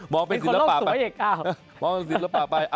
มองเป็นศิลปะไป